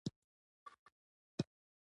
دریم دا چې له محلي موادو څخه یې ګټه وکړه.